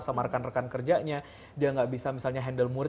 sama rekan rekan kerjanya dia nggak bisa misalnya handle murid